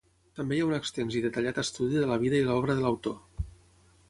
També hi ha un extens i detallat estudi de la vida i l'obra de l'autor.